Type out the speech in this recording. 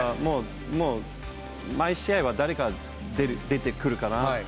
もう、毎試合は、誰か出てくるかな。